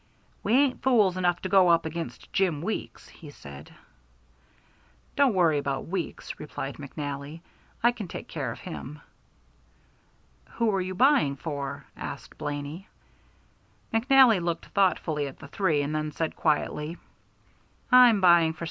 "We ain't fools enough to go up against Jim Weeks," he said. "Don't worry about Weeks," replied McNally, "I can take care of him." "Who are you buying for?" asked Blaney. McNally looked thoughtfully at the three men, then said quietly: "I am buying for C.